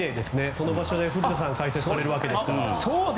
その場所で古田さんが解説されるわけですから。